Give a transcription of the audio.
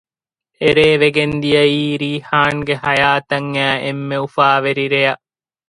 އެރޭ ވެގެންދިޔައީ ރީޙާންގެ ޙަޔާތަށް އައި އެންމެ އުފާވެރި ރެޔަށް